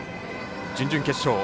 準々決勝